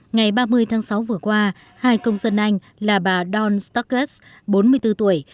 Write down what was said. ngày ba mươi tháng sáu vừa qua hai công dân anh là bà dawn stockerts bốn mươi bốn tuổi